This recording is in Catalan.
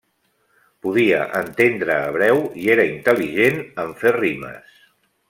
Podia entendre hebreu i era intel·ligent en fer rimes.